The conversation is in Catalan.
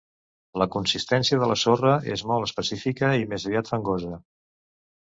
La consistència de la sorra és molt específica i més aviat fangosa.